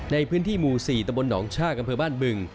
ในพื้นที่หมู่๔ตะบนหนองชากอำเภอบ้านบึง